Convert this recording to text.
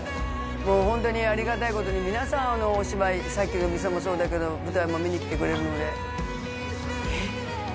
もうホントにありがたいことに皆さんお芝居さっきの店もそうだけど舞台も見に来てくれるのでえっ！？